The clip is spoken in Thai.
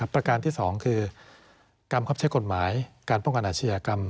ประการที่๒คือกรรมครับใช้กฎหมายการป้องกันอาชญากรรม